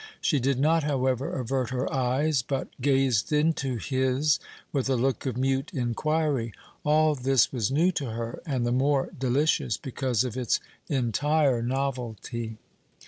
She did not, however, avert her eyes, but gazed into his with a look of mute inquiry. All this was new to her, and the more delicious because of its entire novelty.